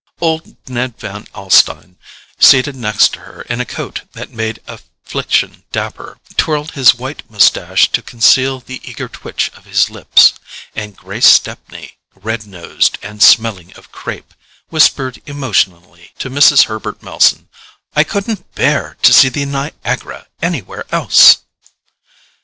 Old Ned Van Alstyne, seated next to her in a coat that made affliction dapper, twirled his white moustache to conceal the eager twitch of his lips; and Grace Stepney, red nosed and smelling of crape, whispered emotionally to Mrs. Herbert Melson: "I couldn't BEAR to see the Niagara anywhere else!"